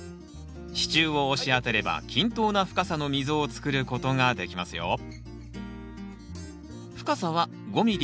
支柱を押し当てれば均等な深さの溝を作ることができますよ